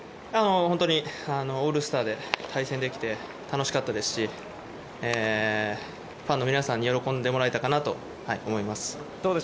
本当にオールスターで対戦できて楽しかったですしファンの皆さんに喜んでもらえたかなと思います。